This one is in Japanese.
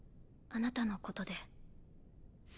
あなたのことで。